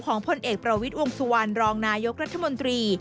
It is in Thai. พลเอกประวิทย์วงสุวรรณรองนายกรัฐมนตรี